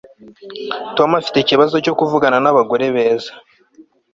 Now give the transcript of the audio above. Tom afite ikibazo cyo kuvugana nabagore beza